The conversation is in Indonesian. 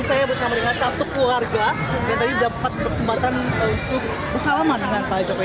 saya bersama dengan satu keluarga yang tadi dapat kesempatan untuk bersalaman dengan pak jokowi